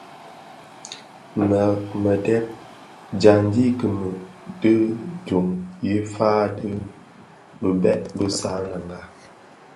Mëdheb: dyandi i kimii bi duň yi fan dhi bibek bi Sananga.